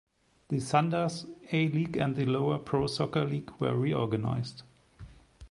The Thunder's A-League and the lower Pro Soccer League were reorganized.